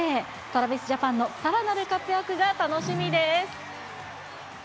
トラビスジャパンのさらなる活躍が楽しみです。